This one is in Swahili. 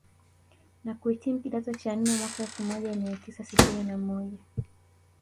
Na kuhitimu kidato cha nne mwaka elfu moja mia tisa sitini na moja